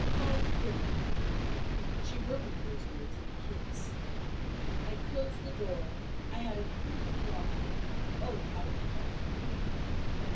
"My Philip!" She murmured those words in a kiss. I closed the door, I had a good cry; and, oh, how it comforted me!